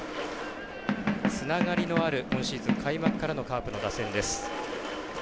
つながりのある今シーズン、開幕からのカープの打線です。